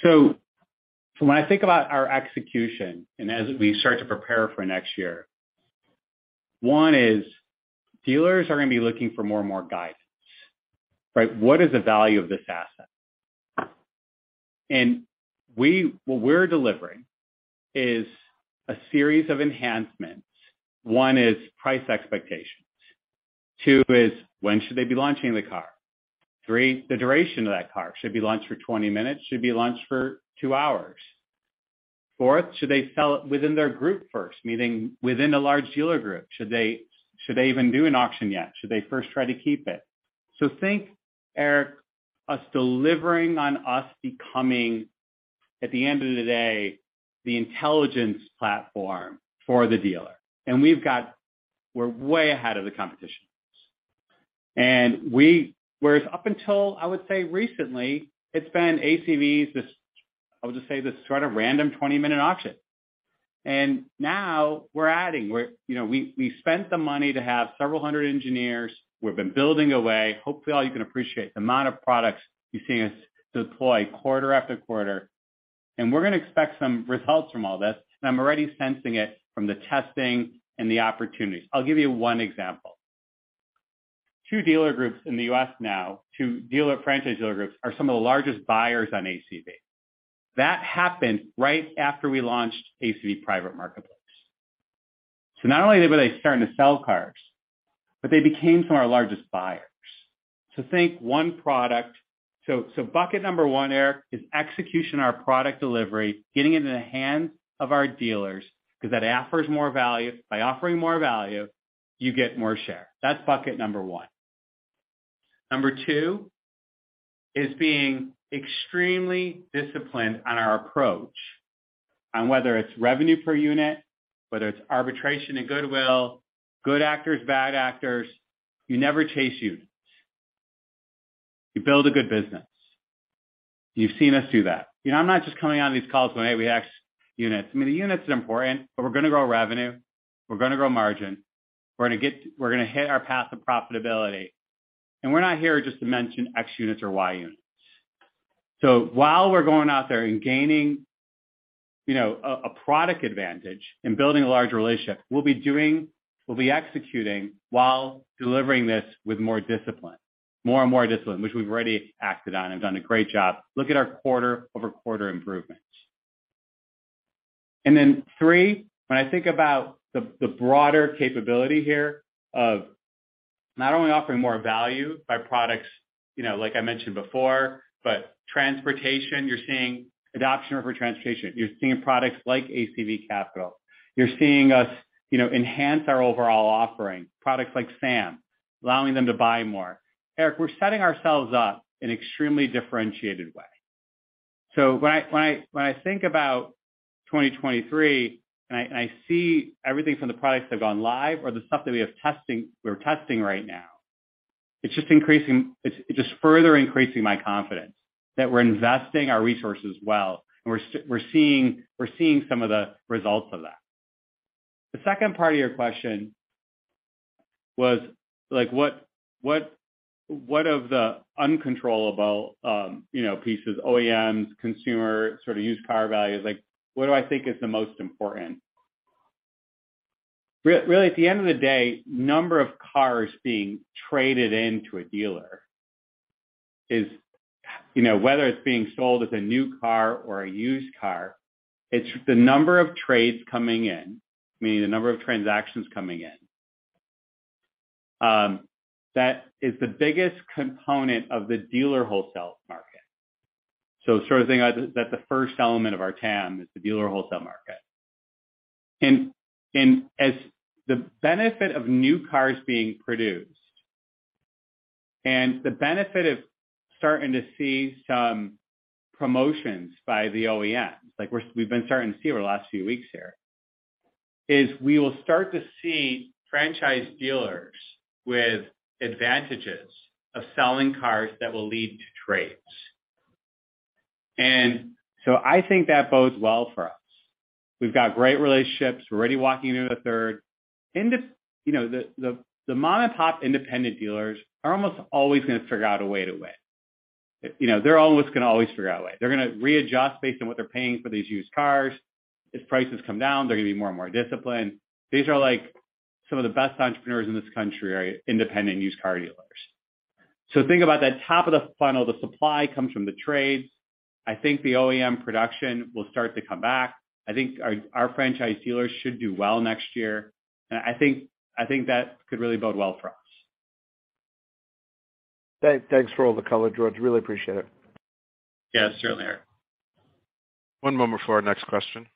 When I think about our execution, and as we start to prepare for next year, one is dealers are gonna be looking for more and more guidance, right? What is the value of this asset? What we're delivering is a series of enhancements. One is price expectations. Two is when should they be launching the car. Three, the duration of that car. Should it be launched for 20 minutes? Should it be launched for 2 hours? Four, should they sell it within their group first, meaning within a large dealer group? Should they even do an auction yet? Should they first try to keep it? Think, Eric, us delivering on us becoming, at the end of the day, the intelligence platform for the dealer. We're way ahead of the competition. Whereas up until, I would say recently, it's been ACVs, this, I would just say, this sort of random 20-minute auction. Now we're adding. We're, you know, we spent the money to have several hundred engineers. We've been building away. Hopefully, you can appreciate the amount of products you've seen us deploy quarter after quarter. We're gonna expect some results from all this, and I'm already sensing it from the testing and the opportunities. I'll give you one example. 2 dealer groups in the US now, franchise dealer groups, are some of the largest buyers on ACV. That happened right after we launched ACV Private Marketplaces. Not only were they starting to sell cars, but they became some of our largest buyers. Think one product. Bucket number one, Eric, is execution our product delivery, getting it in the hands of our dealers, 'cause that offers more value. By offering more value, you get more share. That's bucket number one. Number two is being extremely disciplined on our approach on whether it's revenue per unit, whether it's arbitration and goodwill, good actors, bad actors. You never chase units. You build a good business. You've seen us do that. You know, I'm not just coming on these calls going, "Hey, we X units." I mean, the units is important, but we're gonna grow revenue. We're gonna grow margin. We're gonna hit our path of profitability. We're not here just to mention X units or Y units. While we're going out there and gaining, you know, a product advantage and building a large relationship, we'll be executing while delivering this with more discipline, more and more discipline, which we've already acted on and done a great job. Look at our quarter-over-quarter improvements. Three, when I think about the broader capability here of not only offering more value via products, you know, like I mentioned before, but transportation, you're seeing adoption of transportation. You're seeing products like ACV Capital. You're seeing us, you know, enhance our overall offering, products like SAM, allowing them to buy more. Eric, we're setting ourselves up in extremely differentiated way. When I think about 2023, and I see everything from the products that have gone live or the stuff that we're testing right now, it's just increasing. It's just further increasing my confidence that we're investing our resources well, and we're seeing some of the results of that. The second part of your question was like, what of the uncontrollable, you know, pieces, OEMs, consumer sort of used car values? Like, what do I think is the most important? Really, at the end of the day, number of cars being traded into a dealer is, you know, whether it's being sold as a new car or a used car, it's the number of trades coming in, meaning the number of transactions coming in, that is the biggest component of the dealer wholesale market. Sort of thing that the first element of our TAM is the dealer wholesale market. As the benefit of new cars being produced and the benefit of starting to see some promotions by the OEMs, like we've been starting to see over the last few weeks here, is we will start to see franchise dealers with advantages of selling cars that will lead to trades. I think that bodes well for us. We've got great relationships. We're already walking into the third. You know, the mom-and-pop independent dealers are almost always gonna figure out a way to win. You know, they're always gonna figure out a way. They're gonna readjust based on what they're paying for these used cars. If prices come down, they're gonna be more and more disciplined. These are like some of the best entrepreneurs in this country are independent used car dealers. Think about that top of the funnel, the supply comes from the trades. I think the OEM production will start to come back. I think our franchise dealers should do well next year. I think that could really bode well for us. Thanks for all the color, George. Really appreciate it. Yeah, certainly, Eric. One moment for our next question.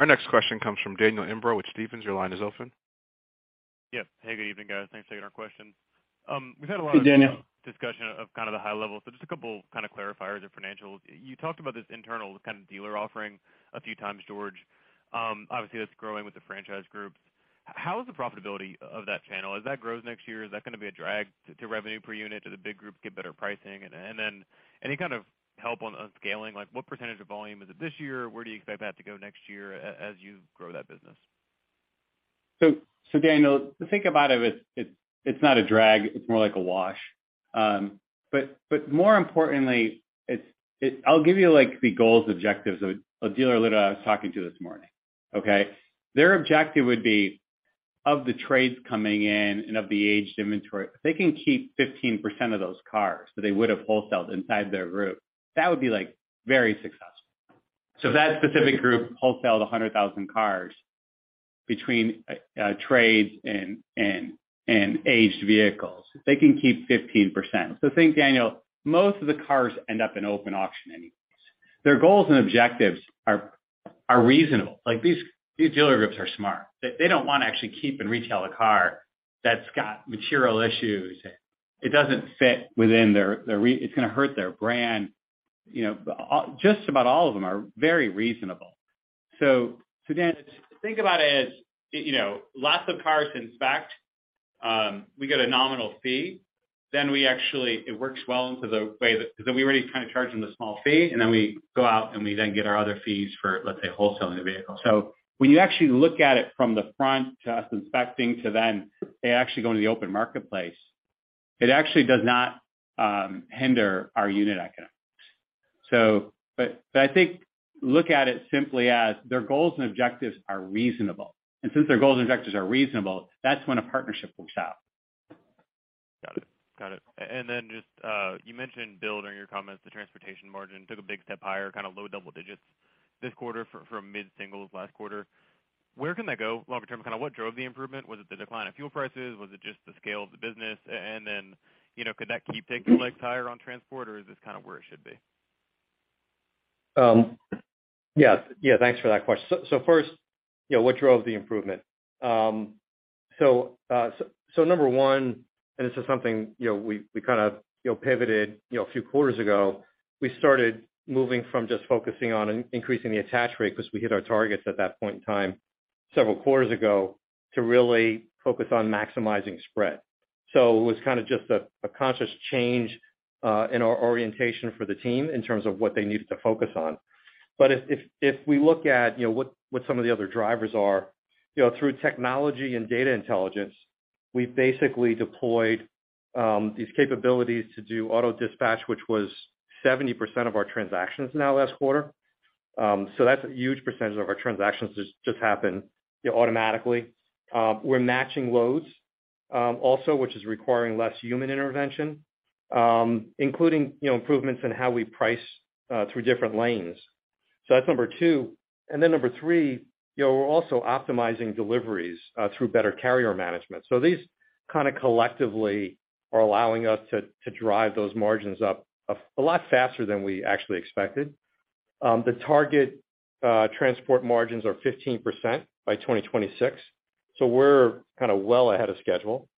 Our next question comes from Daniel Imbro with Stephens. Your line is open. Yeah. Hey, good evening, guys. Thanks for taking our question. We've had a lot of- Hey, Daniel. Discussion of the high level. Just a couple kind of clarifiers or financials. You talked about this internal kind of dealer offering a few times, George. Obviously that's growing with the franchise groups. How is the profitability of that channel? As that grows next year, is that gonna be a drag to revenue per unit? Do the big groups get better pricing? And then any kind of help on scaling? Like what percentage of volume is it this year? Where do you expect that to go next year as you grow that business? Daniel, to think about it's not a drag, it's more like a wash. More importantly, I'll give you like the goals objectives of a dealer lead I was talking to this morning, okay? Their objective would be of the trades coming in and of the aged inventory. If they can keep 15% of those cars that they would have wholesaled inside their group, that would be like very successful. If that specific group wholesaled 100,000 cars between trades and aged vehicles, if they can keep 15%. Think, Daniel, most of the cars end up in open auction anyways. Their goals and objectives are reasonable. Like, these dealer groups are smart. They don't wanna actually keep and retail a car that's got material issues. It doesn't fit within their. It's gonna hurt their brand, you know. Just about all of them are very reasonable. Daniel, think about it as you know, lots of cars inspect, we get a nominal fee. It works well into the way that, because then we already kinda charge them the small fee, and then we go out and we get our other fees for, let's say, wholesaling the vehicle. When you actually look at it from the front to us inspecting to then they actually go into the open marketplace, it actually does not hinder our unit economics. I think look at it simply as their goals and objectives are reasonable. Since their goals and objectives are reasonable, that's when a partnership will happen. Got it. Then just, you mentioned Bill during your comments, the transportation margin took a big step higher, kind of low double digits this quarter from mid-single last quarter. Where can that go longer term? Kinda what drove the improvement? Was it the decline of fuel prices? Was it just the scale of the business? Then, you know, could that keep taking legs higher on transport or is this kind of where it should be? Yeah, thanks for that question. First, you know, what drove the improvement? Number one, and this is something, you know, we kind of, you know, pivoted, you know, a few quarters ago. We started moving from just focusing on increasing the attach rate 'cause we hit our targets at that point in time, several quarters ago, to really focus on maximizing spread. It was kinda just a conscious change in our orientation for the team in terms of what they needed to focus on. If we look at, you know, what some of the other drivers are, you know, through technology and data intelligence, we basically deployed these capabilities to do auto dispatch, which was 70% of our transactions now last quarter. That's a huge percentage of our transactions just happen, you know, automatically. We're matching loads also, which is requiring less human intervention, including, you know, improvements in how we price through different lanes. That's number two. Number three, you know, we're also optimizing deliveries through better carrier management. These kinda collectively are allowing us to drive those margins up a lot faster than we actually expected. The target transport margins are 15% by 2026, so we're kinda well ahead of schedule.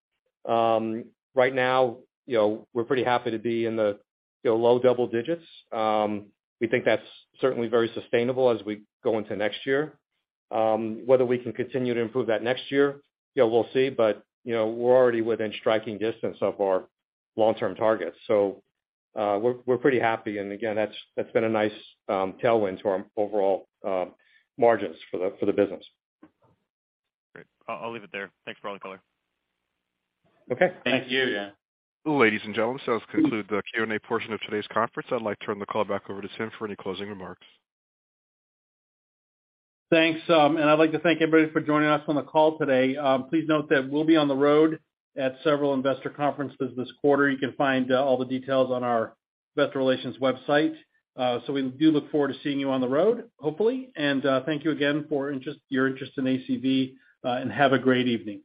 Right now, you know, we're pretty happy to be in the, you know, low double digits. We think that's certainly very sustainable as we go into next year. Whether we can continue to improve that next year, you know, we'll see. You know, we're already within striking distance of our long-term targets, so we're pretty happy. Again, that's been a nice tailwind to our overall margins for the business. Great. I'll leave it there. Thanks for all the color. Okay. Thank you. Yeah. Ladies and gentlemen, this does conclude the Q&A portion of today's conference. I'd like to turn the call back over to Tim for any closing remarks. Thanks. I'd like to thank everybody for joining us on the call today. Please note that we'll be on the road at several investor conferences this quarter. You can find all the details on our investor relations website. We do look forward to seeing you on the road, hopefully. Thank you again for your interest in ACV, and have a great evening.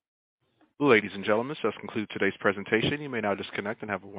Ladies and gentlemen, this does conclude today's presentation. You may now disconnect and have a wonderful day.